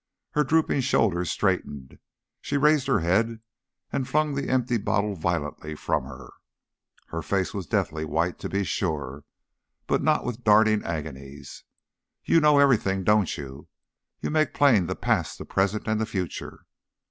Her drooping shoulders straightened, she raised her head and flung the empty bottle violently from her. Her face was deathly white, to be sure, but not with darting agonies. "You know everything, don't you? You make plain the past, the present, and the future.